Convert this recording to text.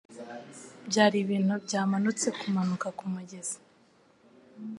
Byari ibintu byamanutse kumanuka kumugezi.